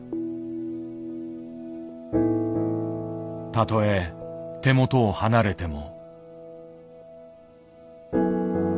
たとえ手元を離れても。